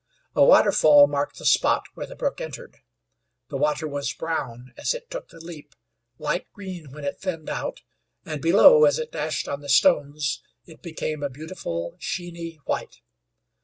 A waterfall marked the spot where the brook entered. The water was brown as it took the leap, light green when it thinned out; and below, as it dashed on the stones, it became a beautiful, sheeny white.